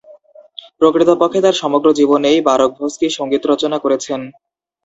প্রকৃতপক্ষে তাঁর সমগ্র জীবনেই বারকভস্কি সঙ্গীত রচনা করেছেন।